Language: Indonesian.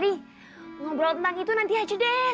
nih ngobrol tentang itu nanti aja deh